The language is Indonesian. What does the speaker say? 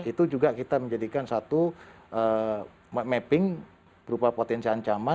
itu juga kita menjadikan satu mapping berupa potensi ancaman